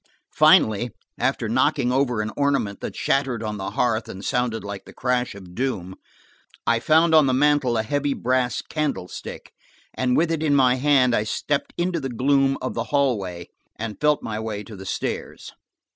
Finally, after knocking over an ornament that shattered on the hearth and sounded like the crash of doom, I found on the mantel a heavy brass candlestick, and with it in my hand I stepped into the gloom of the hallway and felt my way to the stairs.